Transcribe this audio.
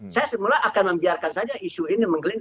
saya semula akan membiarkan saja isu ini menggelinding